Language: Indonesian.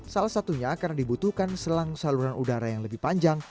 salah satunya karena dibutuhkan selang saluran udara yang lebih panjang